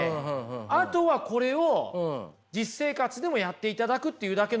あとはこれを実生活でもやっていただくっていうだけのことですから。